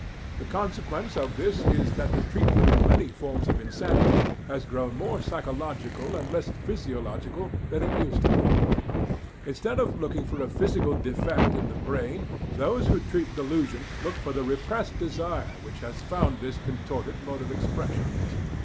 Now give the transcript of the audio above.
The consequence of this is that the treatment of many forms of insanity has grown more psychological and less physiological than it used to be. Instead of looking for a physical defect in the brain, those who treat delusions look for the repressed desire which has found this contorted mode of expression.